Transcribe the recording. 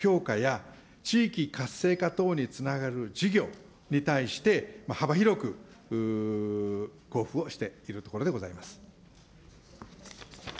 成長力強化や地域活性化等につながる事業に対して、幅広く交付をしているところでございます。